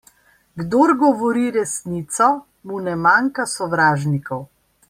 Kdor govori resnico, mu ne manjka sovražnikov.